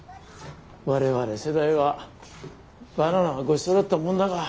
我々世代はバナナはごちそうだったもんだが。